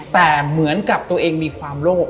แต่เหมือนกับตัวเองมีความโลภ